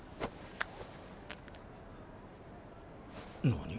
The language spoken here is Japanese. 何？